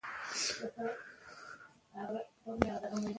ازادي راډیو د کلتور په اړه په ژوره توګه بحثونه کړي.